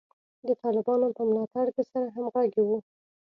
د طالبانو په ملاتړ کې سره همغږي وو.